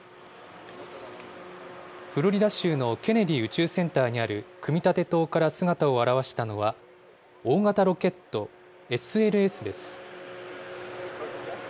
フロリダ州のケネディ宇宙センターにある組み立て棟から姿を現したのは、大型ロケットＳＬＳです。